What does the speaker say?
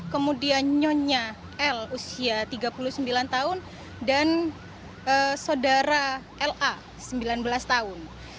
kemudian nyonya l usia tiga puluh sembilan tahun dan saudara la sembilan belas tahun